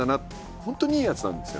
ホントにいいやつなんですよ。